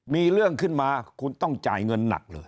มีเรื่องขึ้นมาคุณต้องจ่ายเงินหนักเลย